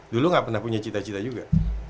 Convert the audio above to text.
dulu nggak pernah punya cita cita juga